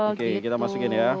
oke kita masukkan ya